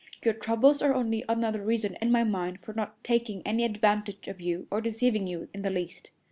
Your troubles are only another reason in my mind for not taking any advantage of you or deceiving you in the least.